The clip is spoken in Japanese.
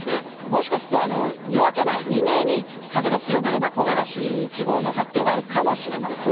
もしかすると夜明け前、未明に風が強まれば、木枯らし１号の発表があるかもしれません。